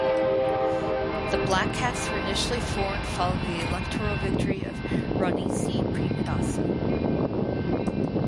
The Black Cats were initially formed following the electoral victory of Ranasinghe Premadasa.